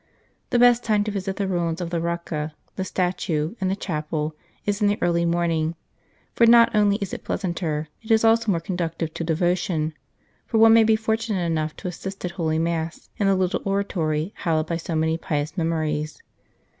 The best time to visit the ruins of the Rocca, the statue, and the chapel, is in the early morning; for not only is it pleasanter, it is also more conducive to devotion, for one may be fortunate enough to assist at Holy Mass in the little oratory hallowed by so many pious memories.